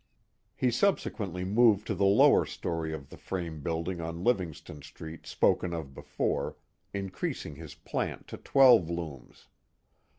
He subsequently moved to the lower story of the frame build ing on Livintjston Street spoken of before, increasing his plant to twelve looms.